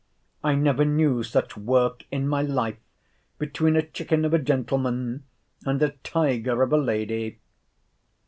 I never knew such work in my life, between a chicken of a gentleman and a tiger of a lady!